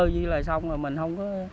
như là xong rồi mình không có